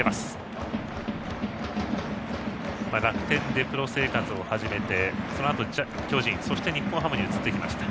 楽天でプロ生活を始めてそのあと、巨人そして日本ハムに移ってきました。